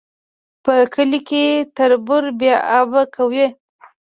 په کلي کي تربور بې آبه کوي